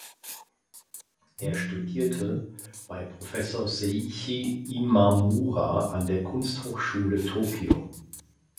Er studierte bei Professor Seiichi Imamura an der Kunsthochschule Tokio.